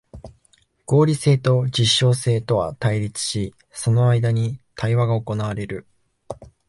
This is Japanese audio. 合理性と実証性とは対立し、その間に対話が行われる。